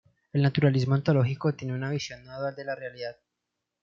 El naturalismo ontológico tiene una visión no dual de la realidad.